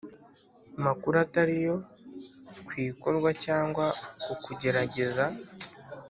makuru atari yo ku ikorwa cyangwa ku kugerageza